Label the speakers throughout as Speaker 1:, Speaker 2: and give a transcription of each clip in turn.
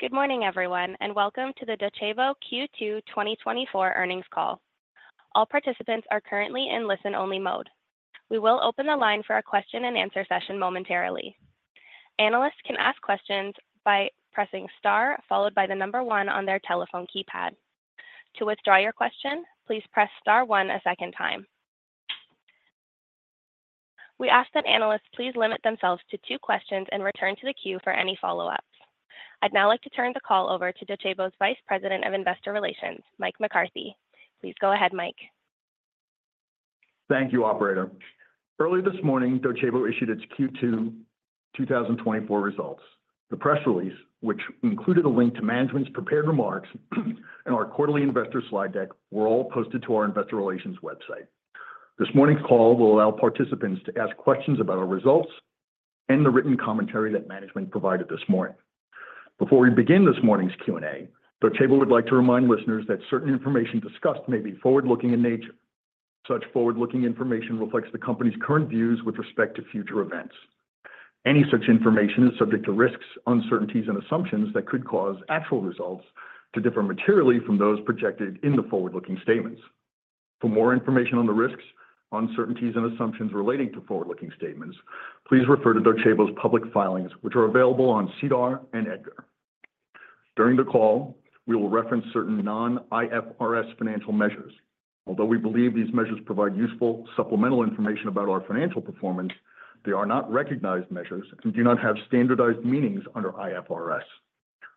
Speaker 1: Good morning, everyone, and welcome to the Docebo Q2 2024 Earnings Call. All participants are currently in listen-only mode. We will open the line for our question and answer session momentarily. Analysts can ask questions by pressing star, followed by the number one on their telephone keypad. To withdraw your question, please press star one a second time. We ask that analysts please limit themselves to two questions and return to the queue for any follow-ups. I'd now like to turn the call over to Docebo's Vice President of Investor Relations, Mike McCarthy. Please go ahead, Mike.
Speaker 2: Thank you, operator. Earlier this morning, Docebo issued its Q2 2024 results. The press release, which included a link to management's prepared remarks and our quarterly investor slide deck, were all posted to our investor relations website. This morning's call will allow participants to ask questions about our results and the written commentary that management provided this morning. Before we begin this morning's Q&A, Docebo would like to remind listeners that certain information discussed may be forward-looking in nature. Such forward-looking information reflects the company's current views with respect to future events. Any such information is subject to risks, uncertainties, and assumptions that could cause actual results to differ materially from those projected in the forward-looking statements. For more information on the risks, uncertainties and assumptions relating to forward-looking statements, please refer to Docebo's public filings, which are available on SEDAR and EDGAR. During the call, we will reference certain non-IFRS financial measures. Although we believe these measures provide useful supplemental information about our financial performance, they are not recognized measures and do not have standardized meanings under IFRS.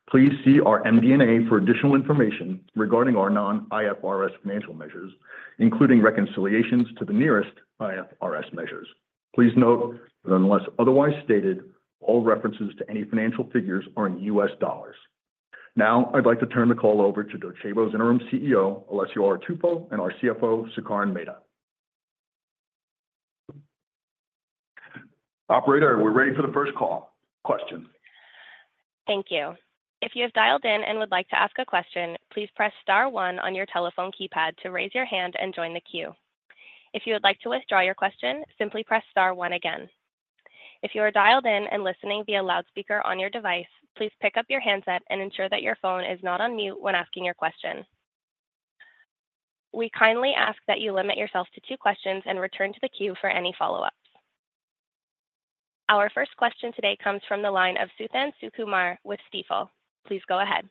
Speaker 2: Please see our MD&A for additional information regarding our non-IFRS financial measures, including reconciliations to the nearest IFRS measures. Please note that unless otherwise stated, all references to any financial figures are in U.S. dollars. Now, I'd like to turn the call over to Docebo's Interim CEO, Alessio Artuffo, and our CFO, Sukaran Mehta. Operator, we're ready for the first call question.
Speaker 1: Thank you. If you have dialed in and would like to ask a question, please press star one on your telephone keypad to raise your hand and join the queue. If you would like to withdraw your question, simply press star one again. If you are dialed in and listening via loudspeaker on your device, please pick up your handset and ensure that your phone is not on mute when asking your question. We kindly ask that you limit yourself to two questions and return to the queue for any follow-ups. Our first question today comes from the line of Suthan Sukumar with Stifel. Please go ahead.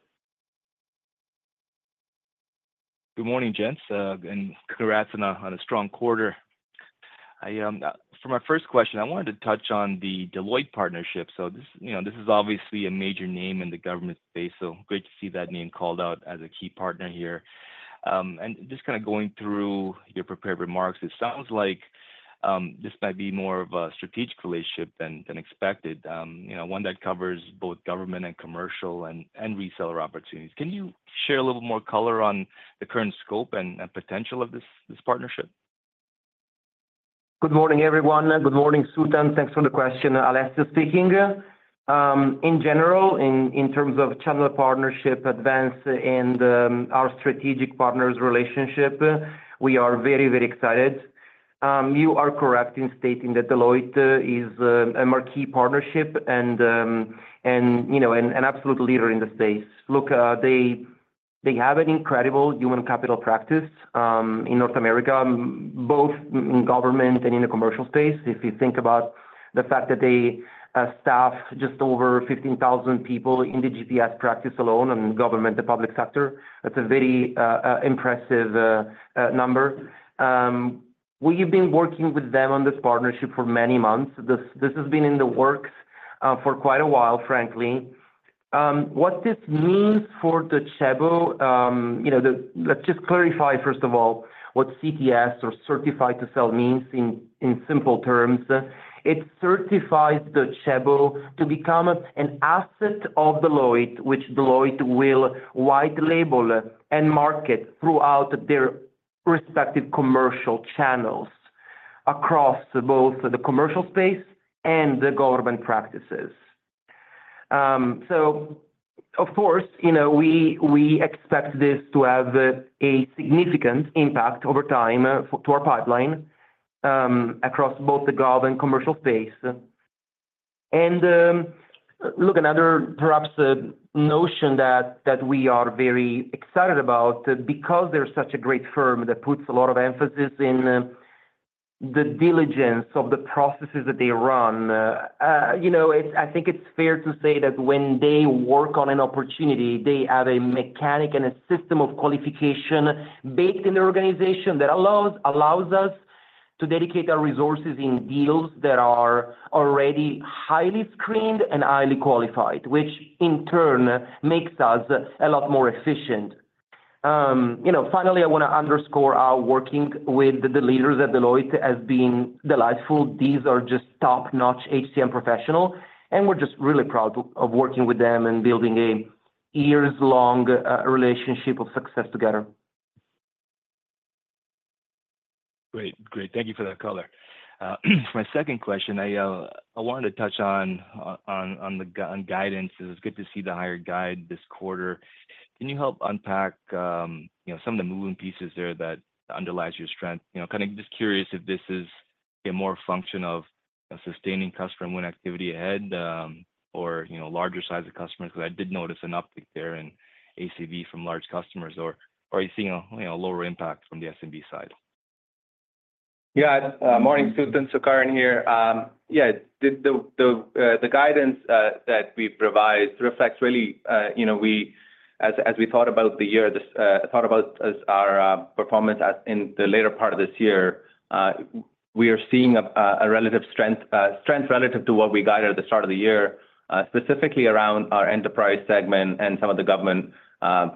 Speaker 3: Good morning, gents, and congrats on a strong quarter. For my first question, I wanted to touch on the Deloitte partnership. So this, you know, this is obviously a major name in the government space, so great to see that name called out as a key partner here. And just kinda going through your prepared remarks, it sounds like this might be more of a strategic relationship than expected, you know, one that covers both government and commercial and reseller opportunities. Can you share a little more color on the current scope and potential of this partnership?
Speaker 4: Good morning, everyone. Good morning, Suthan. Thanks for the question. Alessio speaking. In general, in terms of channel partnerships and our strategic partners' relationship, we are very, very excited. You are correct in stating that Deloitte is a marquee partnership and, you know, an absolute leader in the space. Look, they have an incredible human capital practice in North America, both in government and in the commercial space. If you think about the fact that they staff just over 15,000 people in the GPS practice alone and government, the public sector, that's a very impressive number. We've been working with them on this partnership for many months. This has been in the works for quite a while, frankly. What this means for Docebo, you know, the—Let's just clarify, first of all, what CTS or Certified to Sell means in simple terms. It certifies Docebo to become an asset of Deloitte, which Deloitte will white label and market throughout their respective commercial channels, across both the commercial space and the government practices. So of course, you know, we expect this to have a significant impact over time to our pipeline, across both the government commercial space. Look, another perhaps notion that we are very excited about, because they're such a great firm that puts a lot of emphasis in the diligence of the processes that they run, you know, it's fair to say that when they work on an opportunity, they have a mechanism and a system of qualification baked in the organization that allows us to dedicate our resources in deals that are already highly screened and highly qualified, which in turn makes us a lot more efficient. You know, finally, I wanna underscore our working with the leaders at Deloitte as being delightful. These are just top-notch HCM professionals, and we're just really proud of working with them and building a yearslong relationship of success together.
Speaker 3: Great. Great. Thank you for that color. My second question, I, I wanted to touch on guidance. It's good to see the higher guide this quarter. Can you help unpack, you know, some of the moving pieces there that underlies your strength? You know, kind of just curious if this is a more function of a sustaining customer win activity ahead, or, you know, larger size of customers, because I did notice an uptick there in ACV from large customers, or, or are you seeing a, you know, a lower impact from the SMB side?
Speaker 5: Yeah. Morning, Suthan Sukumar here. Yeah, the guidance that we provide reflects really, you know, we as we thought about the year, this thought about as our performance as in the later part of this year, we are seeing a relative strength, strength relative to what we guided at the start of the year, specifically around our enterprise segment and some of the government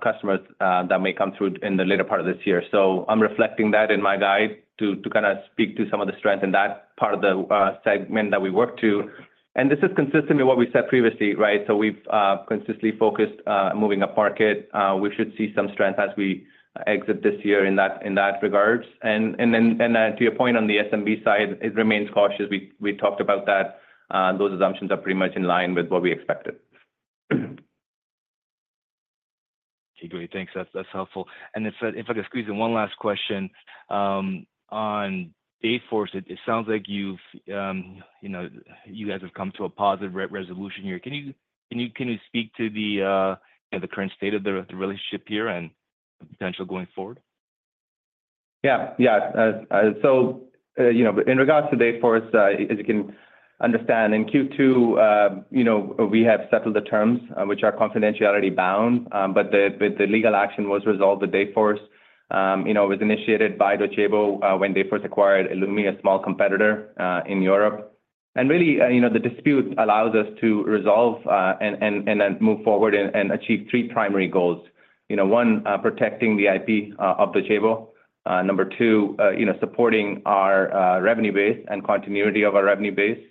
Speaker 5: customers that may come through in the later part of this year. So I'm reflecting that in my guide to kinda speak to some of the strength in that part of the segment that we work to. And this is consistent with what we said previously, right? So we've consistently focused moving upmarket. We should see some strength as we exit this year in that regards. And then, to your point on the SMB side, it remains cautious. We talked about that, those assumptions are pretty much in line with what we expected.
Speaker 3: Okay, great. Thanks. That's helpful. And if I could squeeze in one last question on Dayforce, it sounds like you've you guys have come to a positive resolution here. Can you speak to you know, the current state of the relationship here and potential going forward?
Speaker 5: Yeah, yeah. So, you know, in regards to Dayforce, as you can understand, in Q2, you know, we have settled the terms which are confidentiality bound, but the legal action was resolved with Dayforce. You know, it was initiated by Docebo, when Dayforce acquired Illumio, a small competitor, in Europe. And really, you know, the dispute allows us to resolve, and then move forward and achieve three primary goals. You know, one, protecting the IP of Docebo. Number two, you know, supporting our revenue base and continuity of our revenue base.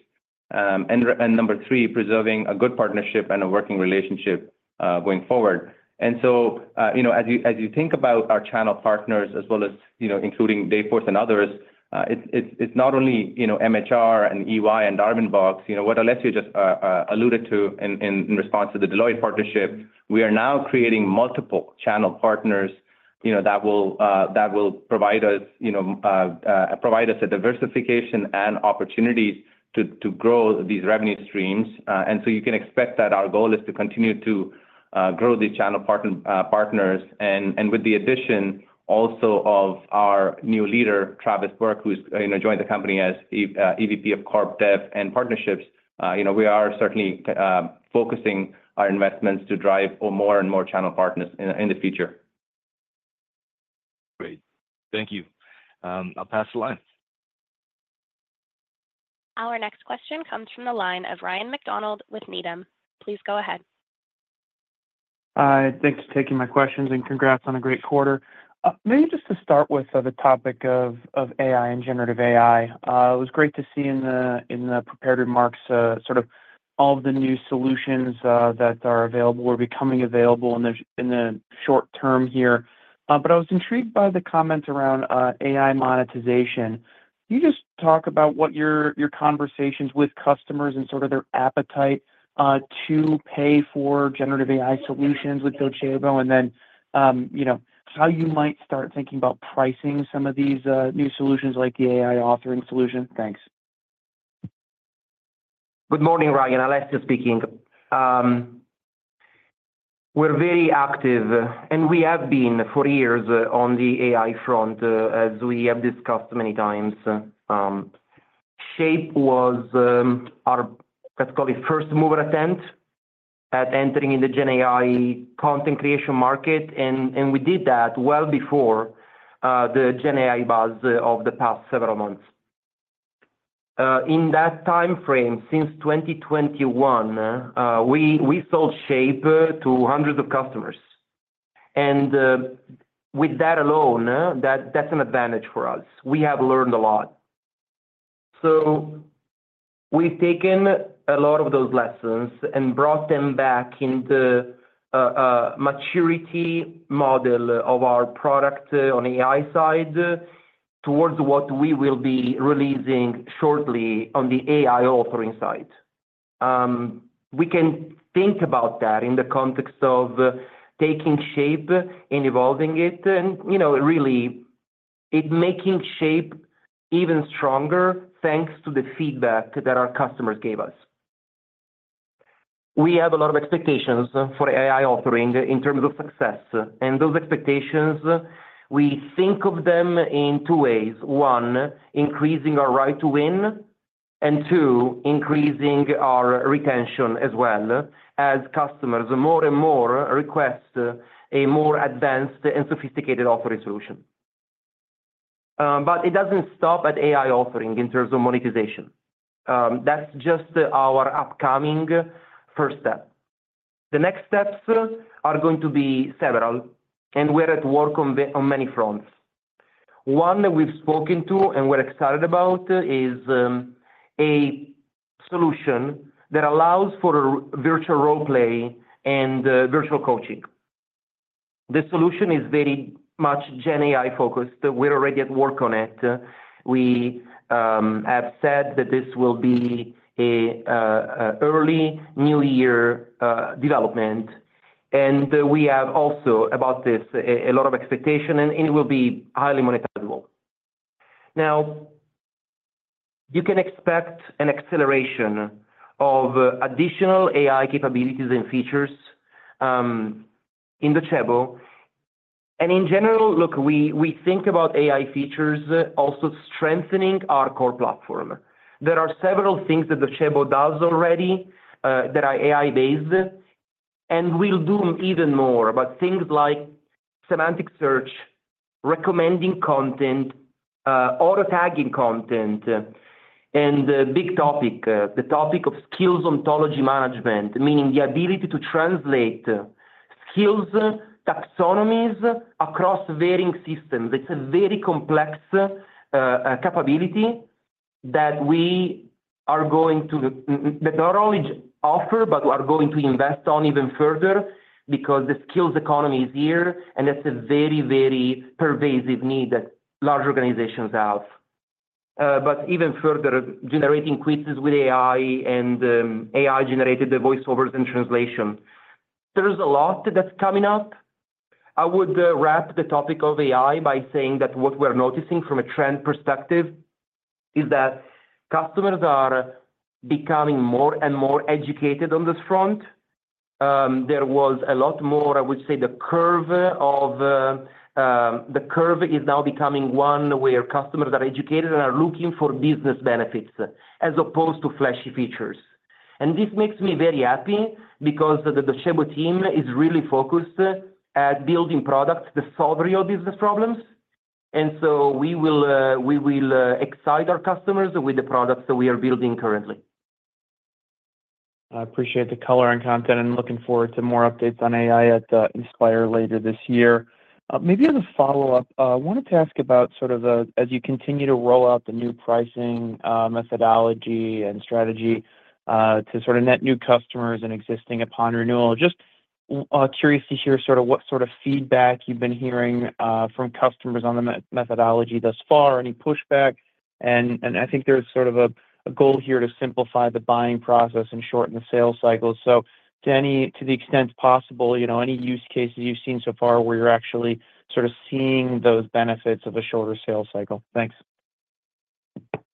Speaker 5: And number three, preserving a good partnership and a working relationship going forward. And so, you know, as you think about our channel partners as well as, you know, including Dayforce and others, it's not only, you know, MHR and EY and Darwinbox. You know, what Alessio just alluded to in response to the Deloitte partnership, we are now creating multiple channel partners, you know, that will provide us, you know, provide us a diversification and opportunities to grow these revenue streams. And so you can expect that our goal is to continue to grow the channel partner partners. With the addition also of our new leader, Travis Burke, who's, you know, joined the company as EVP of Corp Dev and Partnerships, you know, we are certainly focusing our investments to drive for more and more channel partners in the future.
Speaker 3: Great. Thank you. I'll pass the line.
Speaker 1: Our next question comes from the line of Ryan MacDonald with Needham. Please go ahead.
Speaker 6: Thanks for taking my questions, and congrats on a great quarter. Maybe just to start with, the topic of AI and generative AI. It was great to see in the prepared remarks, sort of all of the new solutions that are available or becoming available in the short term here. But I was intrigued by the comments around AI monetization. Can you just talk about what your conversations with customers and sort of their appetite to pay for generative AI solutions with Docebo, and then, you know, how you might start thinking about pricing some of these new solutions like the AI authoring solution? Thanks.
Speaker 4: Good morning, Ryan. Alessio speaking. We're very active, and we have been for years on the AI front, as we have discussed many times. Shape was our, let's call it, first mover attempt at entering in the Gen AI content creation market, and we did that well before the Gen AI buzz of the past several months. In that timeframe, since 2021, we sold Shape to hundreds of customers, and with that alone, that's an advantage for us. We have learned a lot. So we've taken a lot of those lessons and brought them back into a maturity model of our product on AI side, towards what we will be releasing shortly on the AI authoring side. We can think about that in the context of taking Shape and evolving it and, you know, really it making Shape even stronger, thanks to the feedback that our customers gave us. We have a lot of expectations for AI Authoring in terms of success, and those expectations, we think of them in two ways. One, increasing our right to win, and two, increasing our retention as well as customers more and more request a more advanced and sophisticated authoring solution. But it doesn't stop at AI Authoring in terms of monetization. That's just our upcoming first step. The next steps are going to be several, and we're at work on many fronts. One that we've spoken to and we're excited about is a solution that allows for virtual role play and virtual coaching. This solution is very much Gen AI focused. We're already at work on it. We have said that this will be an early new year development and we have also about this, a lot of expectation, and it will be highly monetizable. Now, you can expect an acceleration of additional AI capabilities and features in the Docebo. And in general, look, we think about AI features also strengthening our core platform. There are several things that the Docebo does already that are AI-based, and we'll do even more. But things like semantic search, recommending content, auto-tagging content, and the big topic, the topic of skills ontology management, meaning the ability to translate skills taxonomies across varying systems. It's a very complex capability that we are going to, that not only offer, but we are going to invest on even further because the skills economy is here, and it's a very, very pervasive need that large organizations have. But even further, generating quizzes with AI and, AI-generated voiceovers and translation. There is a lot that's coming up. I would wrap the topic of AI by saying that what we're noticing from a trend perspective is that customers are becoming more and more educated on this front. There was a lot more, I would say, the curve of, the curve is now becoming one where customers are educated and are looking for business benefits as opposed to flashy features. This makes me very happy because the Docebo team is really focused at building products to solve real business problems, and so we will excite our customers with the products that we are building currently.
Speaker 6: I appreciate the color and content, and looking forward to more updates on AI at Inspire later this year. Maybe as a follow-up, I wanted to ask about sort of as you continue to roll out the new pricing methodology and strategy to sort of net new customers and existing upon renewal, just curious to hear sort of what sort of feedback you've been hearing from customers on the methodology thus far, any pushback, and I think there's sort of a goal here to simplify the buying process and shorten the sales cycle. So to the extent possible, you know, any use cases you've seen so far where you're actually sort of seeing those benefits of a shorter sales cycle? Thanks.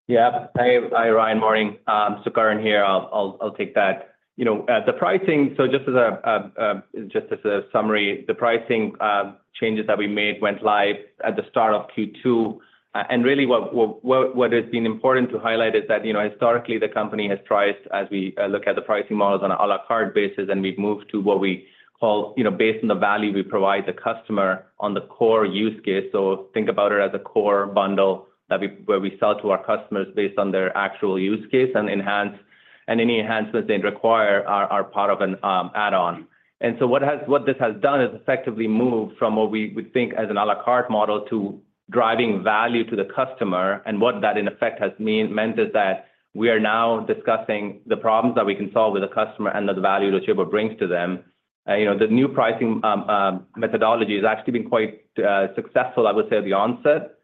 Speaker 5: Yeah. Hi, hi, Ryan. Morning. Sukaran here. I'll take that. You know, the pricing, so just as a summary, the pricing changes that we made went live at the start of Q2. And really, what has been important to highlight is that, you know, historically, the company has priced as we look at the pricing models on à la carte basis, and we've moved to what we call, you know, based on the value we provide the customer on the core use case. So think about it as a core bundle where we sell to our customers based on their actual use case, and any enhancements they require are part of an add-on. And so what this has done is effectively moved from what we would think as an a la carte model to driving value to the customer, and what that in effect has meant is that we are now discussing the problems that we can solve with the customer and the value that Docebo brings to them. You know, the new pricing methodology has actually been quite successful, I would say, at the onset.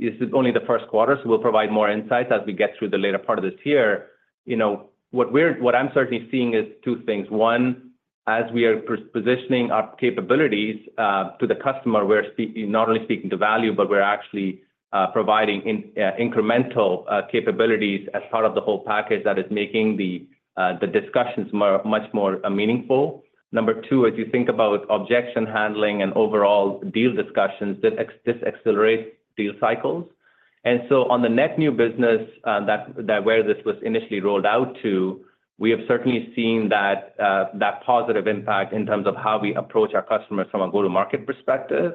Speaker 5: This is only the first quarter, so we'll provide more insights as we get through the later part of this year. You know, what I'm certainly seeing is two things. One, as we are positioning our capabilities to the customer, we're not only speaking to value, but we're actually providing incremental capabilities as part of the whole package that is making the discussions much more meaningful. Number two, as you think about objection handling and overall deal discussions, this accelerates deal cycles. And so on the net new business that where this was initially rolled out to, we have certainly seen that positive impact in terms of how we approach our customers from a go-to-market perspective.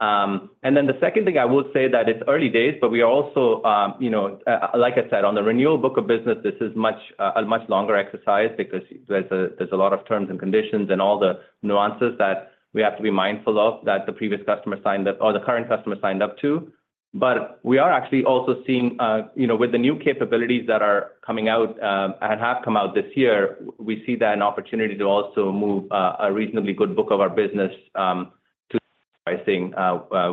Speaker 5: And then the second thing, I would say that it's early days, but we are also, you know, like I said, on the renewal book of business, this is much a much longer exercise because there's a lot of terms and conditions and all the nuances that we have to be mindful of, that the previous customer signed up or the current customer signed up to. But we are actually also seeing, you know, with the new capabilities that are coming out, and have come out this year, we see that an opportunity to also move a reasonably good book of our business to pricing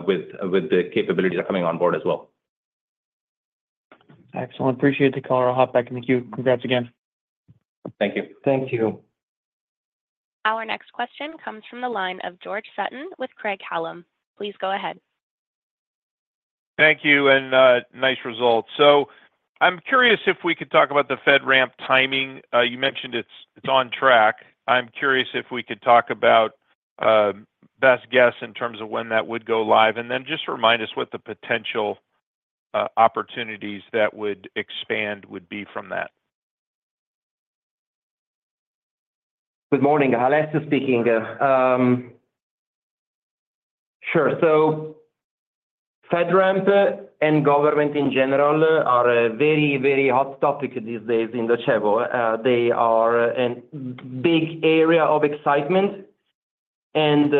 Speaker 5: with the capabilities that are coming on board as well.
Speaker 6: Excellent. Appreciate the call. I'll hop back in the queue. Congrats again.
Speaker 5: Thank you.
Speaker 4: Thank you.
Speaker 1: Our next question comes from the line of George Sutton with Craig-Hallum. Please go ahead.
Speaker 7: Thank you, and nice results. I'm curious if we could talk about the FedRAMP timing. You mentioned it's on track. I'm curious if we could talk about best guess in terms of when that would go live, and then just remind us what the potential opportunities that would expand would be from that.
Speaker 4: Good morning, Alessio speaking. Sure. So FedRAMP and government, in general, are a very, very hot topic these days in Docebo. They are a big area of excitement, and,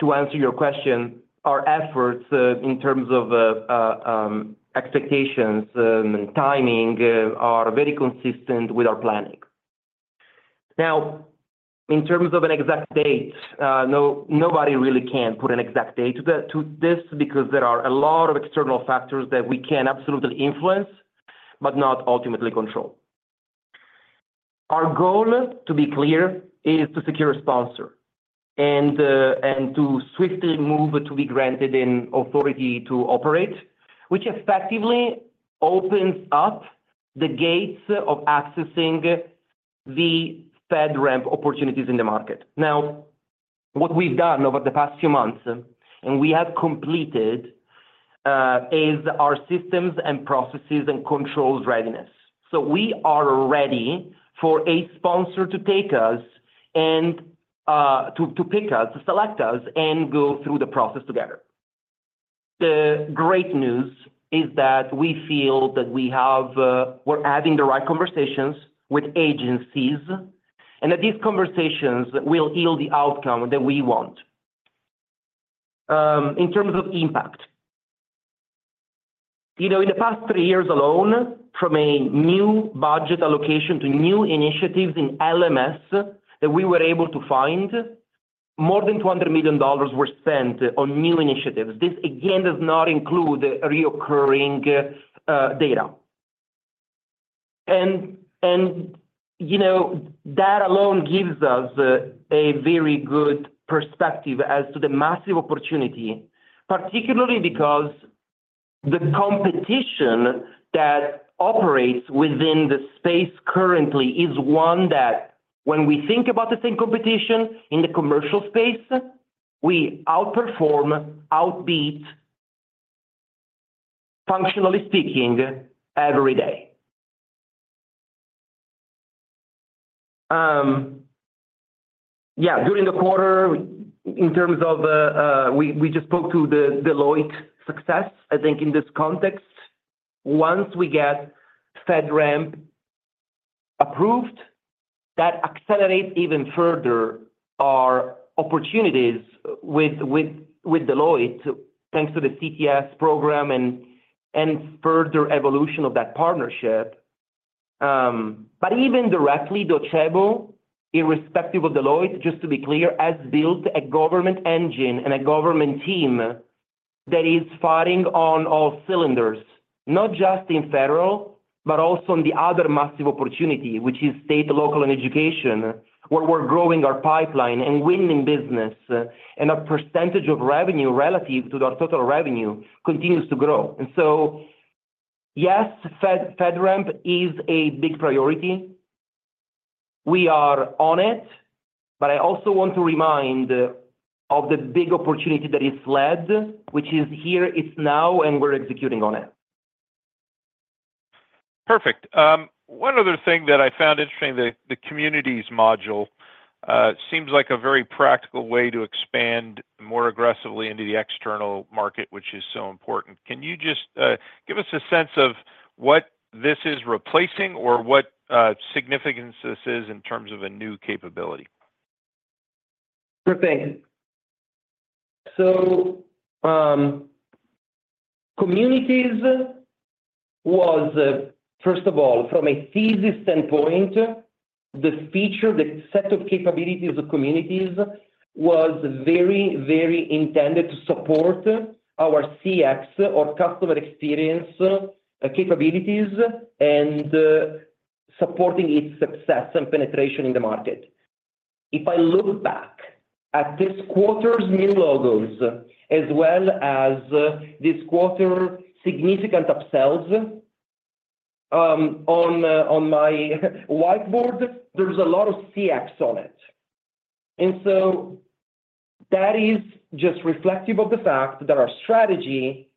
Speaker 4: to answer your question, our efforts, in terms of, expectations and timing, are very consistent with our planning. Now, in terms of an exact date, nobody really can put an exact date to this because there are a lot of external factors that we can't absolutely influence... but not ultimately control. Our goal, to be clear, is to secure a sponsor and, and to swiftly move to be granted an authority to operate, which effectively opens up the gates of accessing the FedRAMP opportunities in the market. Now, what we've done over the past few months, and we have completed, is our systems and processes and controls readiness. So we are ready for a sponsor to take us and, to pick us, to select us, and go through the process together. The great news is that we feel that we have, we're having the right conversations with agencies, and that these conversations will yield the outcome that we want. In terms of impact, you know, in the past three years alone, from a new budget allocation to new initiatives in LMS that we were able to find, more than $200 million were spent on new initiatives. This, again, does not include recurring, data. You know, that alone gives us a very good perspective as to the massive opportunity, particularly because the competition that operates within the space currently is one that when we think about the same competition in the commercial space, we outperform, outbeat, functionally speaking, every day. Yeah, during the quarter, in terms of, we just spoke to the Deloitte success, I think in this context. Once we get FedRAMP approved, that accelerates even further our opportunities with Deloitte, thanks to the CTS program and further evolution of that partnership. But even directly, Docebo, irrespective of Deloitte, just to be clear, has built a government engine and a government team that is firing on all cylinders, not just in federal, but also on the other massive opportunity, which is state, local, and education, where we're growing our pipeline and winning business, and our percentage of revenue relative to our total revenue continues to grow. So, yes, FedRAMP is a big priority. We are on it, but I also want to remind of the big opportunity that is SLED, which is here, it's now, and we're executing on it.
Speaker 7: Perfect. One other thing that I found interesting, the communities module seems like a very practical way to expand more aggressively into the external market, which is so important. Can you just give us a sense of what this is replacing or what significance this is in terms of a new capability? Perfect. So, communities was, first of all, from a thesis standpoint, the feature, the set of capabilities of communities was very, very intended to support our CX or customer experience, capabilities and, supporting its success and penetration in the market. If I look back at this quarter's new logos, as well as this quarter's significant upsells, on my whiteboard, there's a lot of CX on it. And so that is just reflective of the fact that our strategy,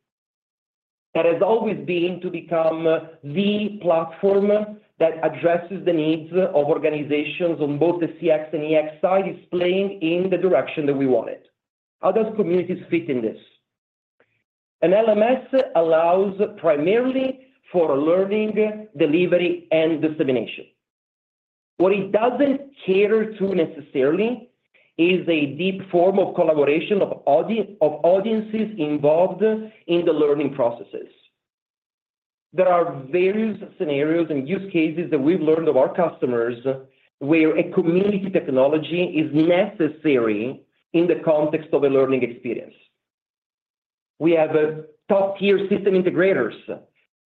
Speaker 7: that has always been to become the platform that addresses the needs of organizations on both the CX and EX side, is playing in the direction that we want it. How does communities fit in this? An LMS allows primarily for learning, delivery, and dissemination. What it doesn't cater to necessarily is a deep form of collaboration of audiences involved in the learning processes. There are various scenarios and use cases that we've learned of our customers, where a community technology is necessary in the context of a learning experience. We have a top-tier system integrators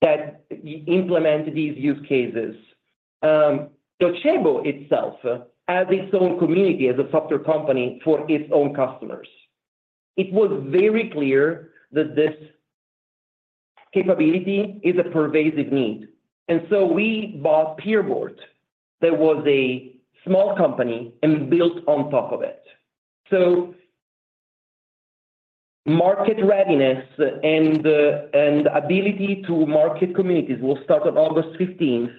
Speaker 7: that implement these use cases. Docebo itself has its own community as a software company for its own customers. It was very clear that this capability is a pervasive need, and so we bought PeerBoard. That was a small company and built on top of it. So market readiness and ability to market communities will start on August fifteenth.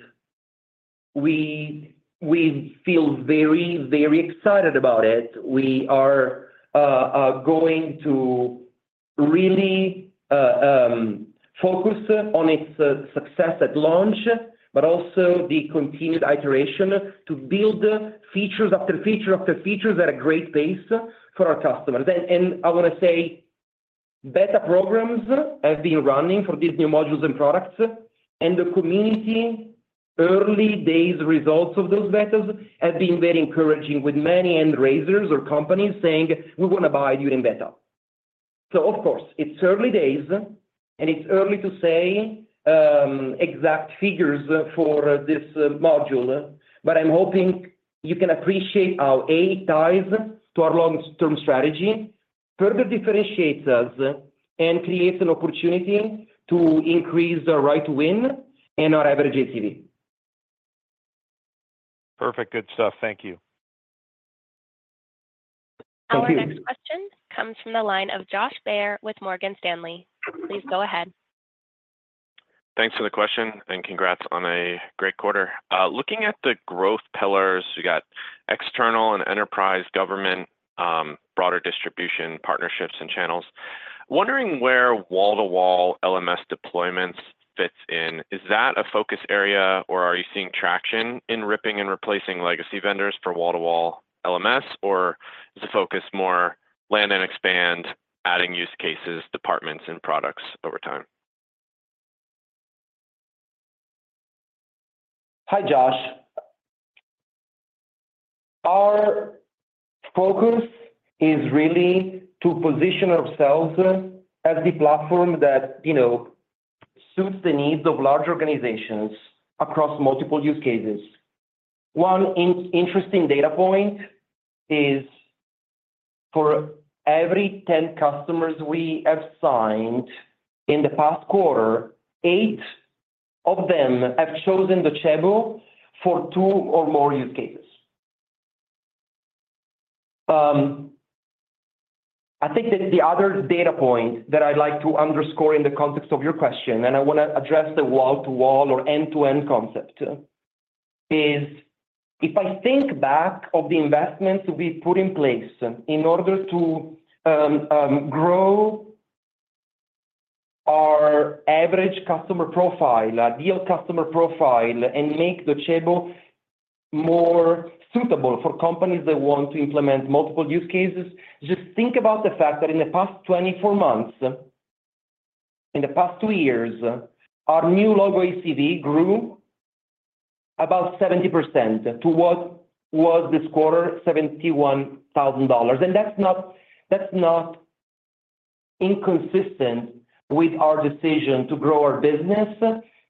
Speaker 7: We feel very, very excited about it. We are going to really focus on its success at launch, but also the continued iteration to build features after feature, after features at a great pace for our customers. And I want to say, beta programs have been running for these new modules and products, and the community early days results of those betas have been very encouraging, with many end users or companies saying, "We want to buy during beta."... So of course, it's early days, and it's early to say exact figures for this module, but I'm hoping you can appreciate how AI ties to our long-term strategy, further differentiates us, and creates an opportunity to increase the win rate and our average ACV. Perfect. Good stuff. Thank you.
Speaker 1: Our next question comes from the line of Josh Baer with Morgan Stanley. Please go ahead.
Speaker 8: Thanks for the question, and congrats on a great quarter. Looking at the growth pillars, you got external and enterprise, government, broader distribution, partnerships and channels. Wondering where wall-to-wall LMS deployments fits in. Is that a focus area, or are you seeing traction in ripping and replacing legacy vendors for wall-to-wall LMS, or is the focus more land and expand, adding use cases, departments, and products over time?
Speaker 4: Hi, Josh. Our focus is really to position ourselves as the platform that, you know, suits the needs of large organizations across multiple use cases. One interesting data point is for every 10 customers we have signed in the past quarter, 8 of them have chosen Docebo for 2 or more use cases. I think the other data point that I'd like to underscore in the context of your question, and I want to address the wall-to-wall or end-to-end concept, is if I think back of the investments we put in place in order to grow our average customer profile, ideal customer profile, and make Docebo more suitable for companies that want to implement multiple use cases, just think about the fact that in the past 24 months, in the past two years, our new logo ACV grew about 70% to what was this quarter, $71,000. And that's not, that's not inconsistent with our decision to grow our business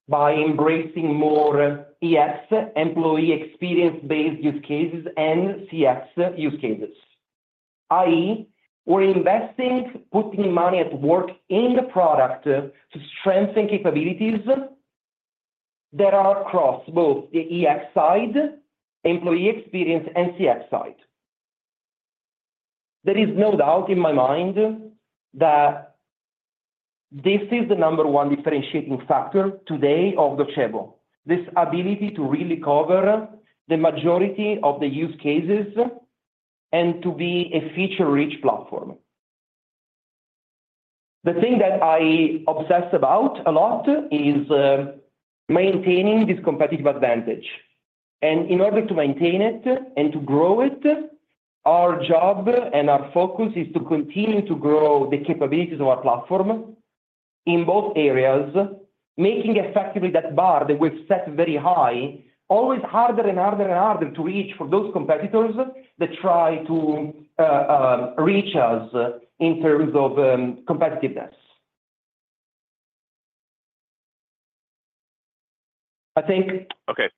Speaker 4: by embracing more EX, employee experience-based use cases and CX use cases. i.e., we're investing, putting money at work in the product to strengthen capabilities that are across both the EX side, employee experience, and CX side. There is no doubt in my mind that this is the number one differentiating factor today of Docebo, this ability to really cover the majority of the use cases and to be a feature-rich platform. The thing that I obsess about a lot is maintaining this competitive advantage, and in order to maintain it and to grow it, our job and our focus is to continue to grow the capabilities of our platform in both areas, making effectively that bar that we've set very high, always harder and harder and harder to reach for those competitors that try to reach us in terms of competitiveness. I think-
Speaker 8: Okay.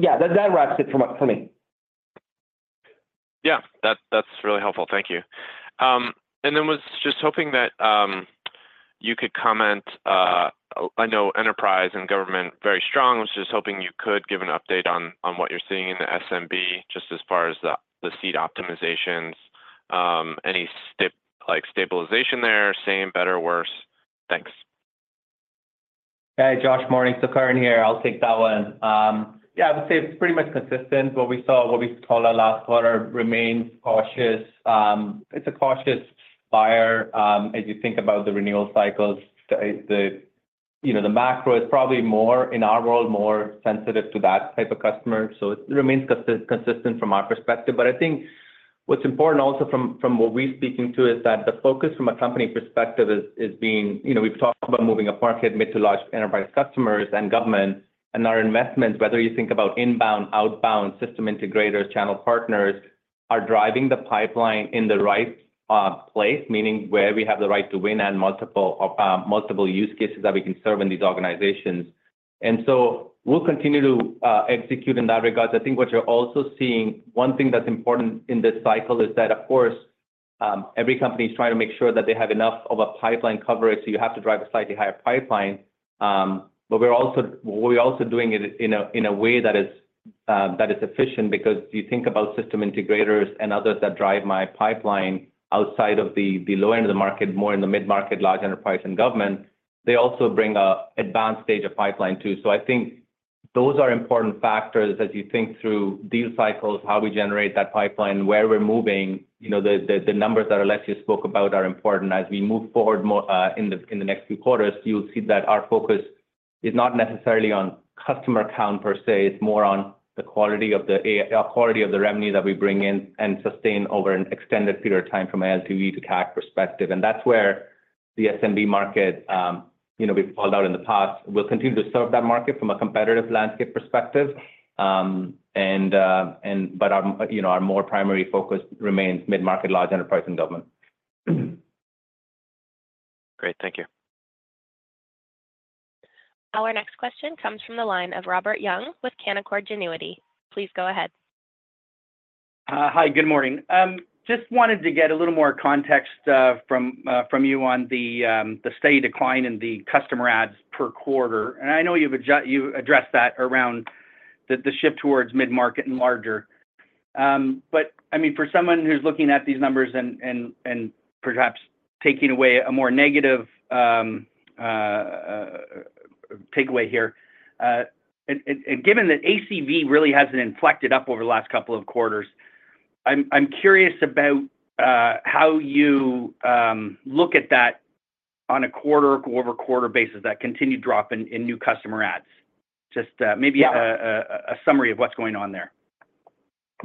Speaker 4: Yeah, that wraps it up for me.
Speaker 8: Yeah, that's really helpful. Thank you. And then was just hoping that you could comment. I know enterprise and government very strong. Was just hoping you could give an update on what you're seeing in the SMB, just as far as the seat optimizations, any like, stabilization there, same, better, worse? Thanks.
Speaker 5: Hey, Josh. Morning. Sukaran here. I'll take that one. Yeah, I would say it's pretty much consistent. What we saw, what we called our last quarter remains cautious. It's a cautious buyer, as you think about the renewal cycles. The, you know, the macro is probably more, in our world, more sensitive to that type of customer, so it remains consistent from our perspective. But I think what's important also from, from what we're speaking to is that the focus from a company perspective is, is being... You know, we've talked about moving upmarket, mid to large enterprise customers and government, and our investments, whether you think about inbound, outbound, system integrators, channel partners, are driving the pipeline in the right place, meaning where we have the right to win and multiple, multiple use cases that we can serve in these organizations. And so we'll continue to execute in that regard. I think what you're also seeing, one thing that's important in this cycle is that, of course, every company is trying to make sure that they have enough of a pipeline coverage, so you have to drive a slightly higher pipeline. But we're also doing it in a way that is efficient because you think about system integrators and others that drive my pipeline outside of the low end of the market, more in the mid-market, large enterprise and government, they also bring a advanced stage of pipeline, too. So I think those are important factors as you think through deal cycles, how we generate that pipeline, where we're moving, you know, the numbers that Alessio spoke about are important. As we move forward more in the next few quarters, you'll see that our focus is not necessarily on customer count per se. It's more on the quality of the revenue that we bring in and sustain over an extended period of time from an LTV to CAC perspective. And that's where the SMB market, you know, we've called out in the past, we'll continue to serve that market from a competitive landscape perspective. And but our, you know, our more primary focus remains mid-market, large enterprise, and government.
Speaker 8: Great, thank you.
Speaker 1: Our next question comes from the line of Robert Young with Canaccord Genuity. Please go ahead.
Speaker 9: Hi, good morning. Just wanted to get a little more context from you on the steady decline in the customer adds per quarter. And I know you've addressed that around the shift towards mid-market and larger. But I mean, for someone who's looking at these numbers and perhaps taking away a more negative takeaway here, and given that ACV really hasn't inflected up over the last couple of quarters, I'm curious about how you look at that on a quarter-over-quarter basis, that continued drop in new customer adds. Just,
Speaker 5: Yeah.
Speaker 9: Maybe a summary of what's going on there.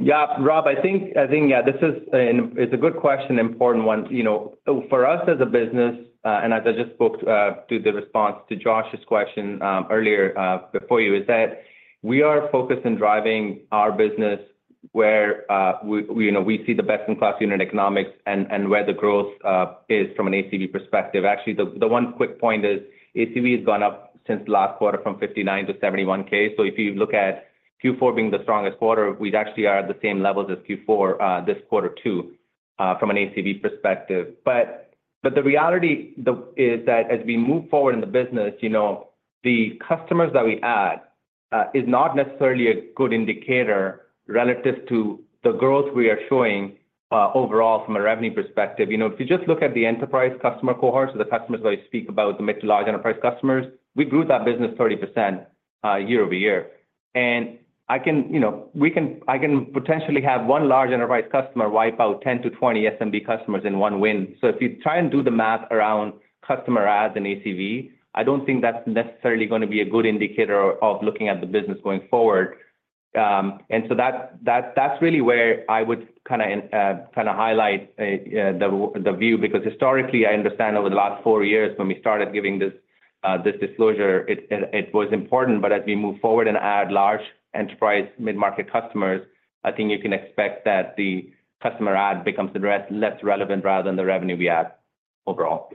Speaker 5: Yeah, Rob, I think, yeah, this is a good question, important one. You know, for us as a business, and as I just spoke to the response to Josh's question, earlier, before you, is that we are focused on driving our business where, we, you know, we see the best in class unit economics and, where the growth, is from an ACV perspective. Actually, the one quick point is ACV has gone up since last quarter from $59K-$71K. So if you look at Q4 being the strongest quarter, we actually are at the same levels as Q4, this quarter too, from an ACV perspective. The reality is that as we move forward in the business, you know, the customers that we add is not necessarily a good indicator relative to the growth we are showing overall from a revenue perspective. You know, if you just look at the enterprise customer cohorts or the customers that I speak about, the mid to large enterprise customers, we grew that business 30%, year-over-year. And I can, you know, potentially have one large enterprise customer wipe out 10-20 SMB customers in one win. So if you try and do the math around customer adds and ACV, I don't think that's necessarily gonna be a good indicator of looking at the business going forward. And so that's really where I would kinda, kinda highlight the view, because historically, I understand over the last four years, when we started giving this, this disclosure, it was important. But as we move forward and add large enterprise mid-market customers, I think you can expect that the customer add becomes less relevant rather than the revenue we add overall.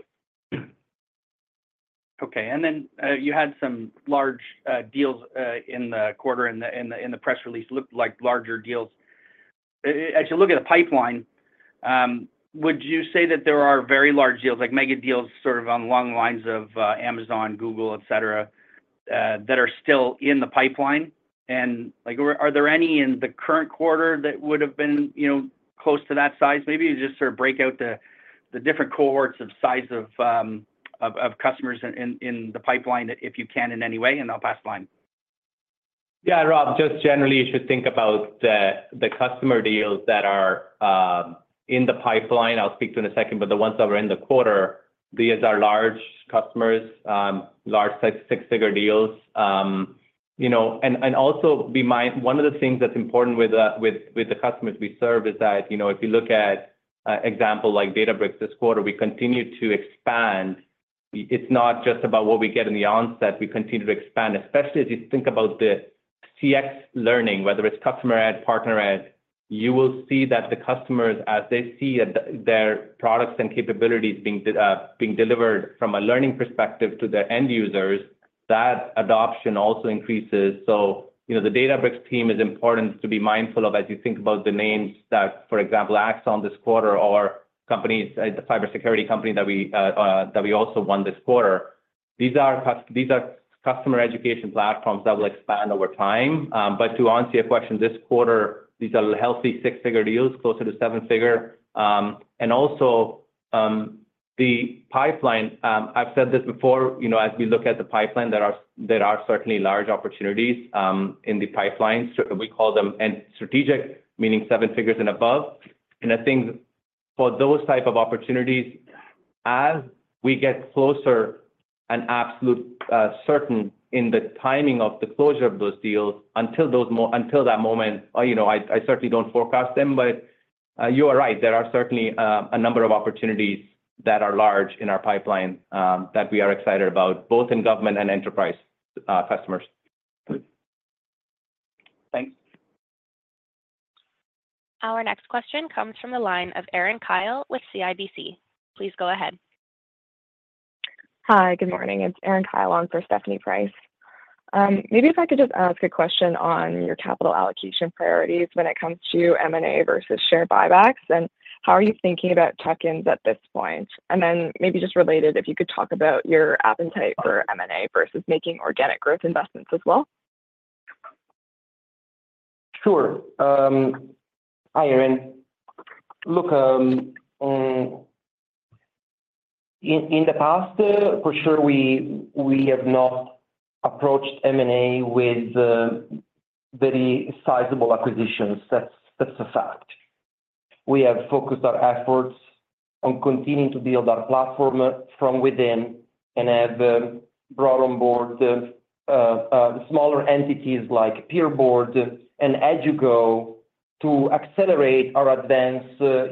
Speaker 9: Okay. And then, you had some large deals in the quarter, in the press release, looked like larger deals. As you look at the pipeline, would you say that there are very large deals, like mega deals, sort of along the lines of Amazon, Google, et cetera, that are still in the pipeline? And like, are there any in the current quarter that would have been, you know, close to that size? Maybe just sort of break out the different cohorts of size of customers in the pipeline, if you can, in any way, and I'll pass the line.
Speaker 5: Yeah, Rob, just generally, you should think about the customer deals that are in the pipeline. I'll speak to in a second, but the ones that were in the quarter, these are large customers, large six-figure deals. You know, and also bear in mind, one of the things that's important with the customers we serve is that, you know, if you look at example like Databricks this quarter, we continue to expand. It's not just about what we get in the onset. We continue to expand, especially as you think about the CX learning, whether it's customer add, partner add, you will see that the customers, as they see their products and capabilities being delivered from a learning perspective to their end users, that adoption also increases. So, you know, the Databricks team is important to be mindful of as you think about the names that, for example, Axon this quarter or companies, the cybersecurity company that we that we also won this quarter. These are customer education platforms that will expand over time. But to answer your question, this quarter, these are healthy six-figure deals, closer to seven-figure. And also, the pipeline, I've said this before, you know, as we look at the pipeline, there are there are certainly large opportunities in the pipeline. We call them and strategic, meaning seven figures and above. I think for those type of opportunities, as we get closer and absolutely certain in the timing of the closure of those deals, until that moment, you know, I certainly don't forecast them, but you are right, there are certainly a number of opportunities that are large in our pipeline, that we are excited about, both in government and enterprise customers.
Speaker 9: Thanks.
Speaker 1: Our next question comes from the line of Erin Kyle with CIBC. Please go ahead.
Speaker 10: Hi, good morning. It's Erin Kyle on for Stephanie Price. Maybe if I could just ask a question on your capital allocation priorities when it comes to M&A versus share buybacks, and how are you thinking about tuck-ins at this point? And then maybe just related, if you could talk about your appetite for M&A versus making organic growth investments as well.
Speaker 5: Sure. Hi, Erin. Look, in the past, for sure, we have not approached M&A with very sizable acquisitions. That's a fact. We have focused our efforts on continuing to build our platform from within and have brought on board the smaller entities like PeerBoard and Edugo-...
Speaker 4: to accelerate our advance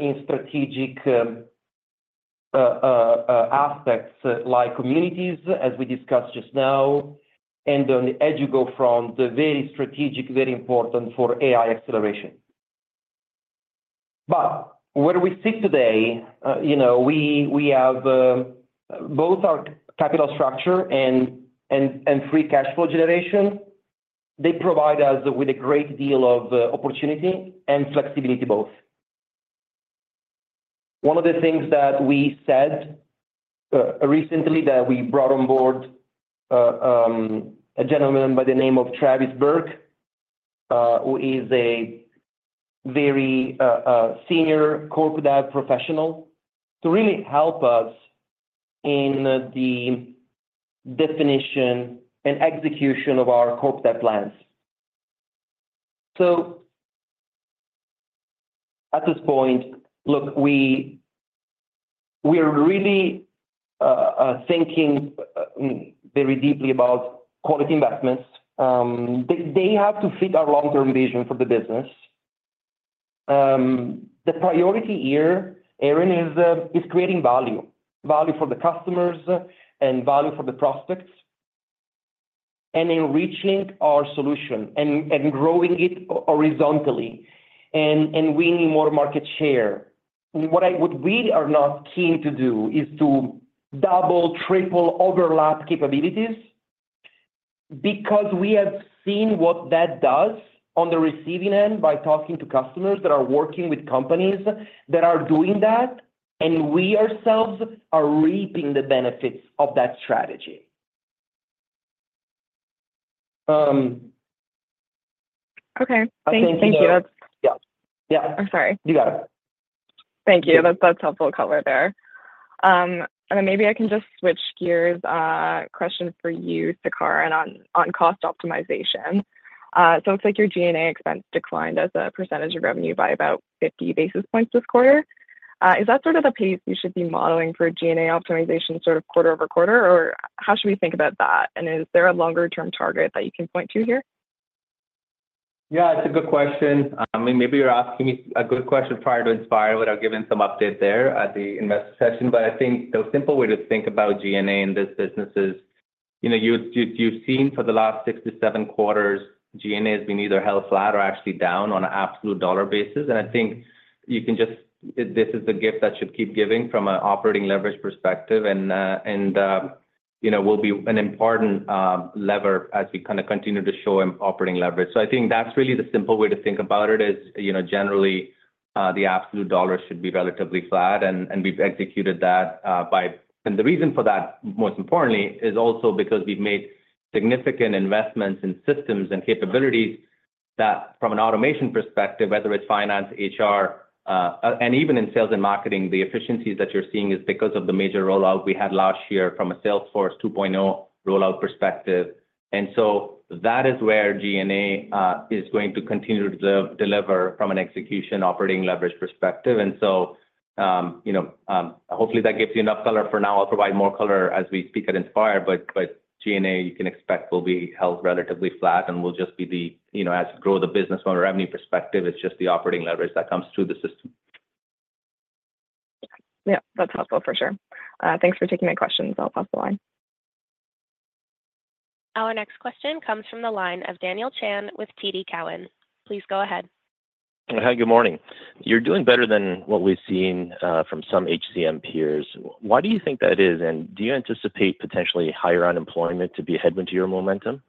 Speaker 4: in strategic aspects like communities, as we discussed just now, and on the Edugo front, very strategic, very important for AI acceleration. But what we see today, you know, we have both our capital structure and free cash flow generation, they provide us with a great deal of opportunity and flexibility both. One of the things that we said recently, that we brought on board a gentleman by the name of Travis Burke, who is a very senior CorpDev professional, to really help us in the definition and execution of our CorpDev plans. So at this point, look, we are really thinking very deeply about quality investments. They have to fit our long-term vision for the business. The priority here, Erin, is creating value for the customers and value for the prospects, and in reaching our solution and growing it horizontally, and winning more market share. We are not keen to do is to double, triple, overlap capabilities, because we have seen what that does on the receiving end by talking to customers that are working with companies that are doing that, and we ourselves are reaping the benefits of that strategy.
Speaker 10: Okay, thank you.
Speaker 4: I think,
Speaker 10: That's...
Speaker 4: Yeah. Yeah.
Speaker 10: I'm sorry.
Speaker 4: You got it.
Speaker 10: Thank you. That's helpful color there. And then maybe I can just switch gears. Question for you, Sukaran, and on cost optimization. So it looks like your G&A expense declined as a percentage of revenue by about 50 basis points this quarter. Is that sort of the pace we should be modeling for G&A optimization sort of quarter-over-quarter? Or how should we think about that, and is there a longer-term target that you can point to here?
Speaker 5: Yeah, it's a good question. Maybe you're asking me a good question prior to Inspire, but I've given some update there at the investor session. But I think the simple way to think about G&A in this business is, you know, you've seen for the last six to seven quarters, G&A has been either held flat or actually down on an absolute dollar basis. And I think you can just... This is the gift that should keep giving from an operating leverage perspective, and, you know, will be an important lever as we kind of continue to show operating leverage. So I think that's really the simple way to think about it, is, you know, generally, the absolute dollar should be relatively flat, and, we've executed that, by... And the reason for that, most importantly, is also because we've made significant investments in systems and capabilities that from an automation perspective, whether it's finance, HR, and even in sales and marketing, the efficiencies that you're seeing is because of the major rollout we had last year from a Salesforce 2.0 rollout perspective. And so that is where G&A is going to continue to deliver from an execution operating leverage perspective. And so, you know, hopefully, that gives you enough color for now. I'll provide more color as we speak at Inspire, but, G&A, you can expect, will be held relatively flat and will just be the, you know, as grow the business from a revenue perspective, it's just the operating leverage that comes through the system.
Speaker 10: Yeah, that's helpful for sure. Thanks for taking my questions. I'll pass the line.
Speaker 1: Our next question comes from the line of Daniel Chan with TD Cowen. Please go ahead.
Speaker 11: Hi, good morning. You're doing better than what we've seen from some HCM peers. Why do you think that is? And do you anticipate potentially higher unemployment to be a headwind to your momentum?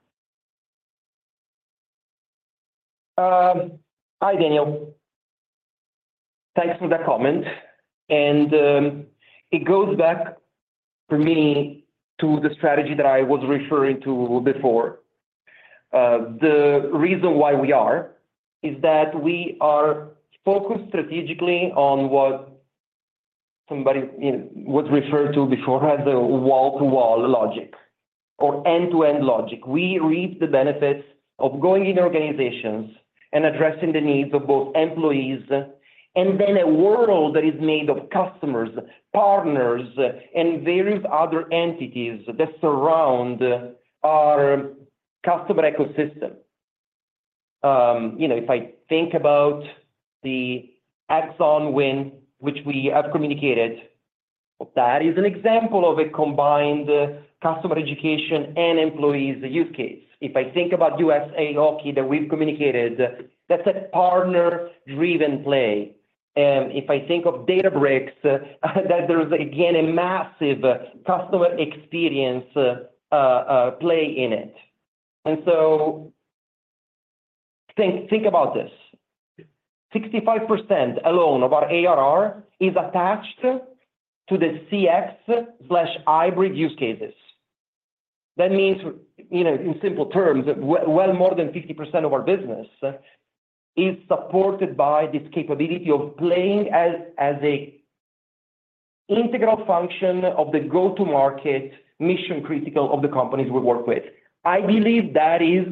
Speaker 4: Hi, Daniel. Thanks for that comment, and it goes back for me to the strategy that I was referring to before. The reason why we are is that we are focused strategically on what somebody, you know, was referred to before as a wall-to-wall logic or end-to-end logic. We reap the benefits of going in organizations and addressing the needs of both employees, and then a world that is made of customers, partners, and various other entities that surround our customer ecosystem. You know, if I think about the Exxon win, which we have communicated, that is an example of a combined customer education and employees use case. If I think about USA Hockey that we've communicated, that's a partner-driven play. If I think of Databricks, that there is again a massive customer experience play in it. Think about this: 65% alone of our ARR is attached to the CX/hybrid use cases. That means, you know, in simple terms, well more than 50% of our business is supported by this capability of playing as an integral function of the go-to market, mission-critical of the companies we work with. I believe that is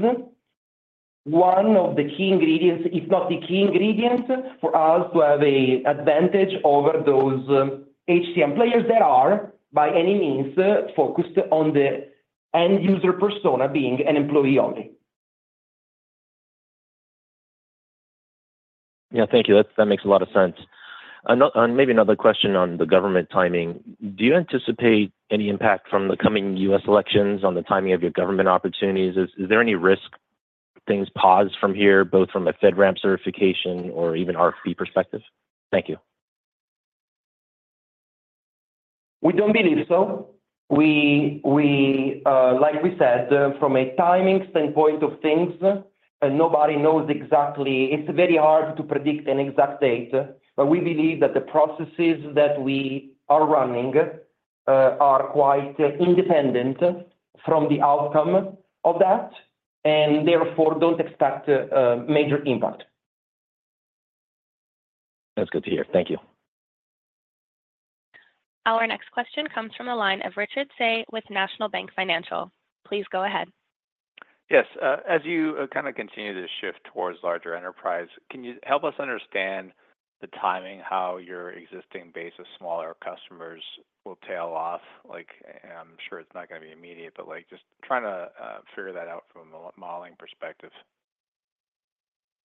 Speaker 4: one of the key ingredients, if not the key ingredient, for us to have an advantage over those HCM players that are, by any means, focused on the CX end user persona being an employee only.
Speaker 11: Yeah, thank you. That makes a lot of sense. Maybe another question on the government timing. Do you anticipate any impact from the coming US elections on the timing of your government opportunities? Is there any risk things pause from here, both from a FedRAMP certification or even RFP perspective? Thank you.
Speaker 4: We don't believe so. Like we said, from a timing standpoint of things, nobody knows exactly. It's very hard to predict an exact date, but we believe that the processes that we are running are quite independent from the outcome of that, and therefore, don't expect a major impact.
Speaker 11: That's good to hear. Thank you.
Speaker 1: Our next question comes from the line of Richard Tse with National Bank Financial. Please go ahead.
Speaker 12: Yes, as you kind of continue to shift towards larger enterprise, can you help us understand the timing, how your existing base of smaller customers will tail off? Like, I'm sure it's not gonna be immediate, but, like, just trying to figure that out from a modeling perspective.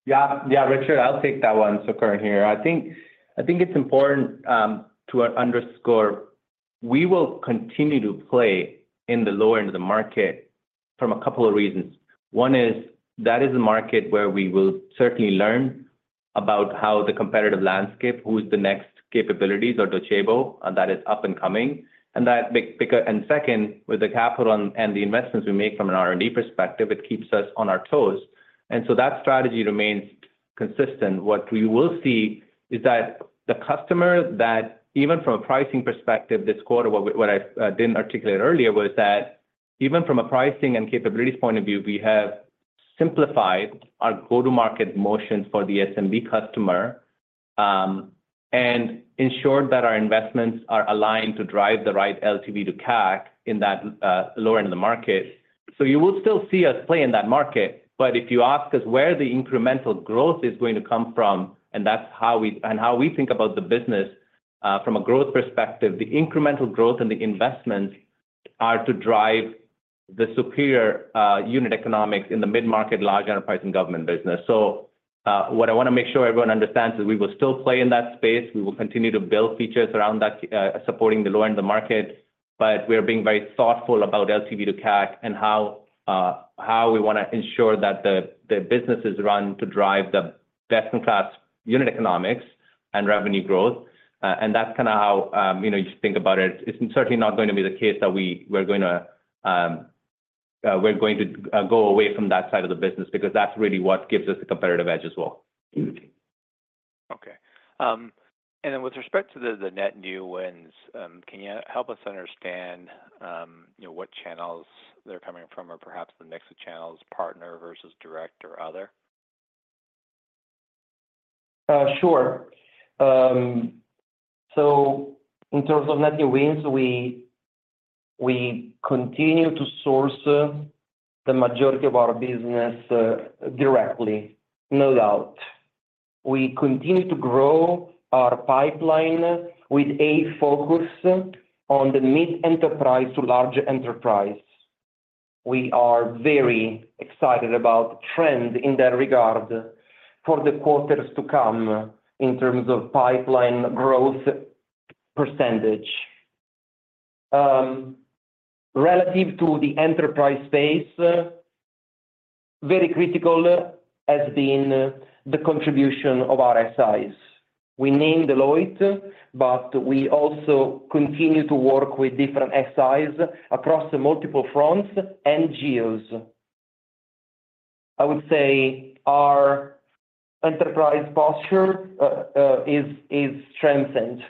Speaker 5: Yeah. Yeah, Richard, I'll take that one. Sukaran here. I think it's important to underscore, we will continue to play in the lower end of the market from a couple of reasons. One is, that is a market where we will certainly learn about how the competitive landscape, who's the next capabilities or Docebo, that is up and coming, and that make bigger- And second, with the capital and the investments we make from an R&D perspective, it keeps us on our toes. And so that strategy remains consistent. What we will see is that the customer, that even from a pricing perspective, this quarter, what I didn't articulate earlier, was that even from a pricing and capabilities point of view, we have simplified our go-to-market motions for the SMB customer, and ensured that our investments are aligned to drive the right LTV to CAC in that, lower end of the market. So you will still see us play in that market, but if you ask us where the incremental growth is going to come from, and that's how we think about the business, from a growth perspective, the incremental growth and the investments are to drive the superior, unit economics in the mid-market, large enterprise, and government business. So, what I wanna make sure everyone understands is we will still play in that space. We will continue to build features around that, supporting the low end of the market, but we are being very thoughtful about LTV to CAC and how we wanna ensure that the business is run to drive the best-in-class unit economics and revenue growth. And that's kinda how, you know, you think about it. It's certainly not going to be the case that we're going to go away from that side of the business, because that's really what gives us a competitive edge as well.
Speaker 12: Okay. And then with respect to the net new wins, can you help us understand, you know, what channels they're coming from, or perhaps the mix of channels, partner versus direct or other?
Speaker 4: Sure. So in terms of net new wins, we continue to source the majority of our business directly, no doubt. We continue to grow our pipeline with a focus on the mid-enterprise to large enterprise. We are very excited about trends in that regard for the quarters to come, in terms of pipeline growth percentage. Relative to the enterprise space, very critical has been the contribution of our SIs. We named Deloitte, but we also continue to work with different SIs across the multiple fronts and geos. I would say our enterprise posture is strengthened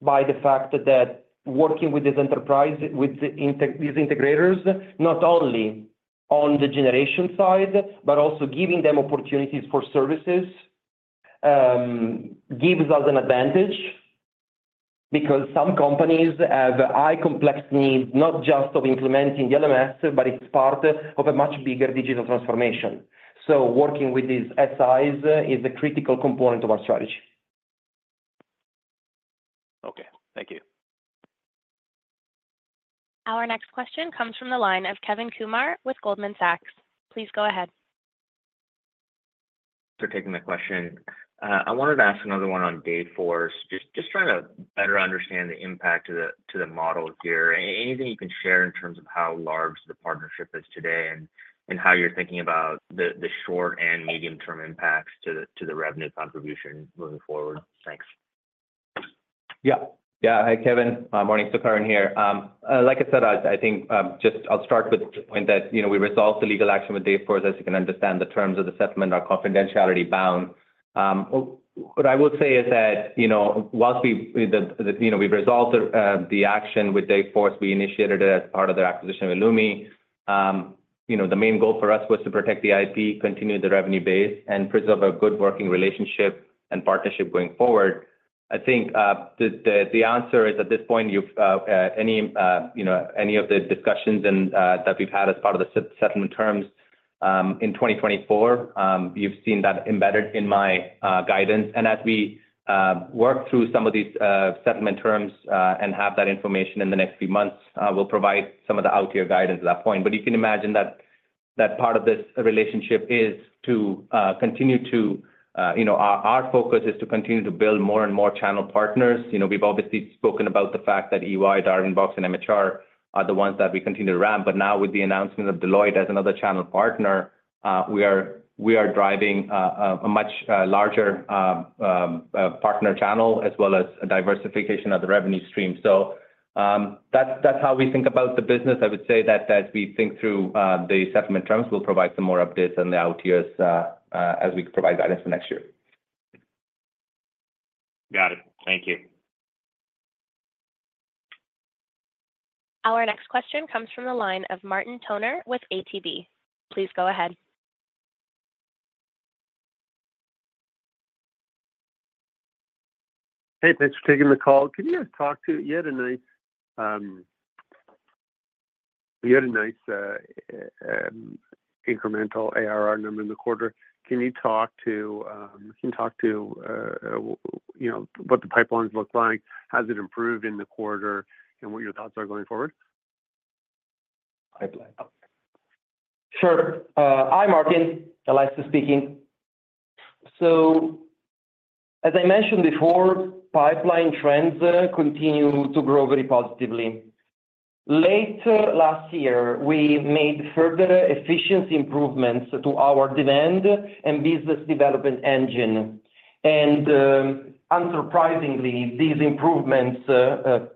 Speaker 4: by the fact that working with this enterprise, with these integrators, not only on the generation side, but also giving them opportunities for services, gives us an advantage because some companies have high complex needs, not just of implementing the LMS, but it's part of a much bigger digital transformation. So working with these SIs is a critical component of our strategy.
Speaker 12: Okay, thank you.
Speaker 1: Our next question comes from the line of Kevin Kumar with Goldman Sachs. Please go ahead.
Speaker 13: For taking my question. I wanted to ask another one on Dayforce. Just trying to better understand the impact to the model here. Anything you can share in terms of how large the partnership is today, and how you're thinking about the short and medium-term impacts to the revenue contribution moving forward? Thanks.
Speaker 5: Yeah. Yeah. Hi, Kevin. Morning, Sukaran here. Like I said, I think, just I'll start with the point that, you know, we resolved the legal action with Dayforce. As you can understand, the terms of the settlement are confidentiality bound. What I would say is that, you know, while we, the, the, you know, we've resolved the action with Dayforce, we initiated it as part of their acquisition with Lumi. You know, the main goal for us was to protect the IP, continue the revenue base, and preserve a good working relationship and partnership going forward. I think, the answer is, at this point, you've any, you know, any of the discussions and that we've had as part of the settlement terms-...
Speaker 4: in 2024. You've seen that embedded in my guidance. And as we work through some of these settlement terms and have that information in the next few months, we'll provide some of the out year guidance at that point. But you can imagine that that part of this relationship is to continue to, you know, our focus is to continue to build more and more channel partners. You know, we've obviously spoken about the fact that EY, Darwinbox, and MHR are the ones that we continue to ramp, but now with the announcement of Deloitte as another channel partner, we are driving a much larger partner channel, as well as a diversification of the revenue stream. So, that's how we think about the business. I would say that as we think through the settlement terms, we'll provide some more updates on the out years, as we provide guidance for next year.
Speaker 11: Got it. Thank you.
Speaker 1: Our next question comes from the line of Martin Toner with ATB. Please go ahead.
Speaker 14: Hey, thanks for taking the call. Can you just talk to... You had a nice incremental ARR number in the quarter. Can you talk to, you know, what the pipelines look like, has it improved in the quarter, and what your thoughts are going forward?
Speaker 4: Pipeline. Sure. Hi, Martin, Alessio speaking. So as I mentioned before, pipeline trends continue to grow very positively. Later last year, we made further efficiency improvements to our demand and business development engine. Unsurprisingly, these improvements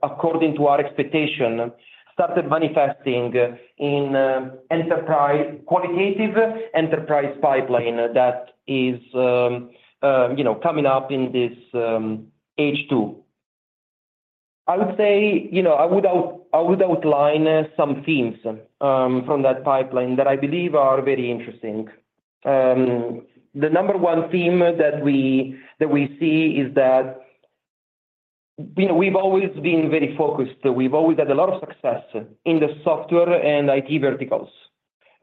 Speaker 4: according to our expectation started manifesting in enterprise-qualitative enterprise pipeline that is, you know, coming up in this H2. I would say, you know, I would outline some themes from that pipeline that I believe are very interesting. The number one theme that we see is that, you know, we've always been very focused, we've always had a lot of success in the software and IT verticals.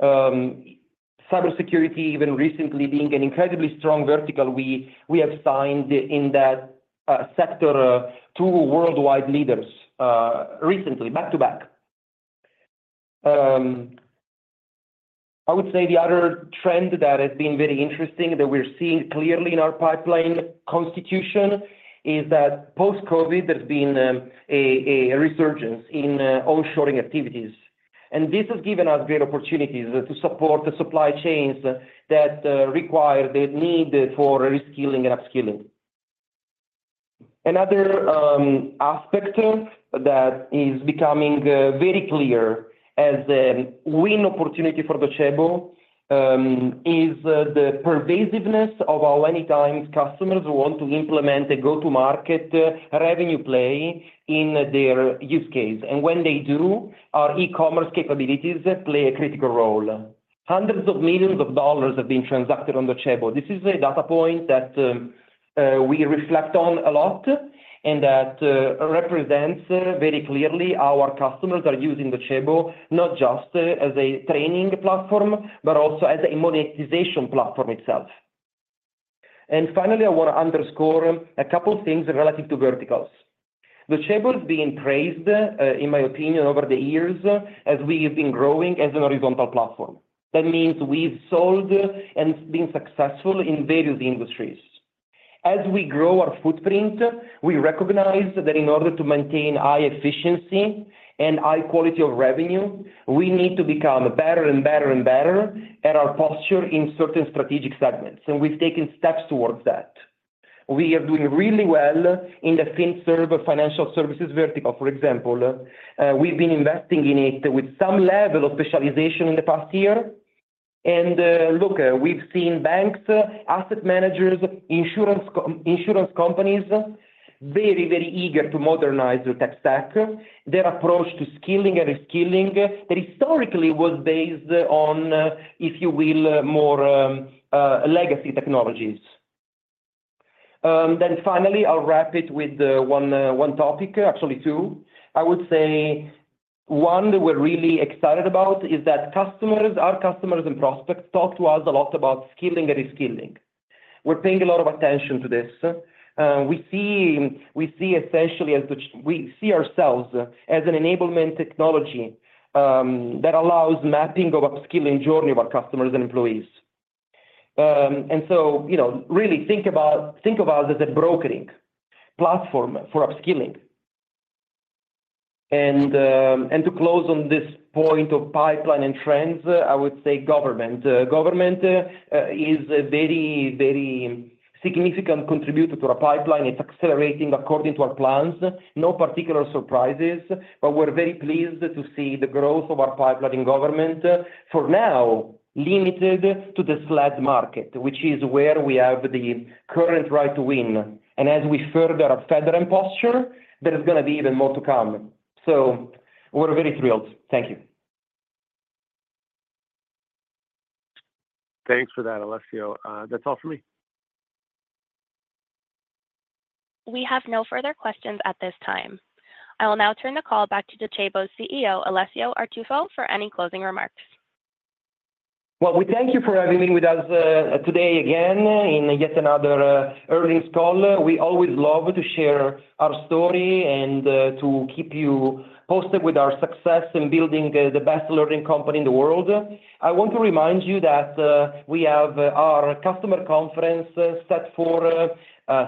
Speaker 4: Cybersecurity, even recently being an incredibly strong vertical, we have signed in that sector two worldwide leaders recently, back to back. I would say the other trend that has been very interesting, that we're seeing clearly in our pipeline constitution, is that post-COVID, there's been a resurgence in onshoring activities. And this has given us great opportunities to support the supply chains that require the need for reskilling and upskilling. Another aspect that is becoming very clear as a win opportunity for Docebo is the pervasiveness of our many times customers who want to implement a go-to-market revenue play in their use case. And when they do, our e-commerce capabilities play a critical role. Hundreds of millions have been transacted on Docebo. This is a data point that we reflect on a lot and that represents very clearly our customers are using Docebo, not just as a training platform, but also as a monetization platform itself. And finally, I want to underscore a couple of things relative to verticals. Docebo is being praised, in my opinion, over the years, as we have been growing as a horizontal platform. That means we've sold and been successful in various industries. As we grow our footprint, we recognize that in order to maintain high efficiency and high quality of revenue, we need to become better and better and better at our posture in certain strategic segments, and we've taken steps towards that. We are doing really well in the FinServ, financial services vertical, for example. We've been investing in it with some level of specialization in the past year. And, look, we've seen banks, asset managers, insurance companies, very, very eager to modernize their tech stack, their approach to skilling and reskilling, that historically was based on, if you will, more, legacy technologies. Then finally, I'll wrap it with, one, one topic, actually two. I would say one that we're really excited about is that customers, our customers and prospects talk to us a lot about skilling and reskilling. We're paying a lot of attention to this. We see ourselves essentially as an enablement technology, that allows mapping of upskilling journey of our customers and employees. And so, you know, really think about, think about it as a brokering platform for upskilling. And, and to close on this point of pipeline and trends, I would say government. Government is a very, very significant contributor to our pipeline. It's accelerating according to our plans. No particular surprises, but we're very pleased to see the growth of our pipeline in government, for now, limited to the SLED market, which is where we have the current right to win. And as we further our federal posture, there is gonna be even more to come. So we're very thrilled. Thank you.
Speaker 14: Thanks for that, Alessio. That's all for me.
Speaker 1: We have no further questions at this time. I will now turn the call back to Docebo's CEO, Alessio Artuffo, for any closing remarks.
Speaker 4: Well, we thank you for being with us today again, in yet another earnings call. We always love to share our story and to keep you posted with our success in building the, the best learning company in the world. I want to remind you that we have our customer conference set for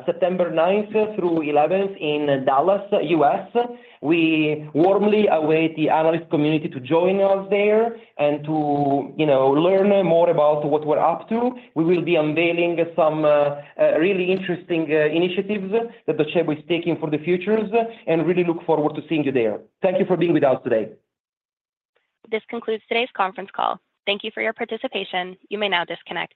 Speaker 4: September ninth through eleventh in Dallas, US. We warmly await the analyst community to join us there and to, you know, learn more about what we're up to. We will be unveiling some really interesting initiatives that Docebo is taking for the future, and really look forward to seeing you there. Thank you for being with us today.
Speaker 1: This concludes today's conference call. Thank you for your participation. You may now disconnect.